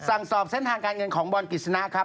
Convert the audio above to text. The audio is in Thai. นะครับสั่งสอบเส้นทางการเงินของบอลกิศนาครับ